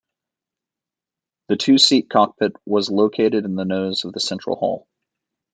The two-seat cockpit was located in the nose of the central hull.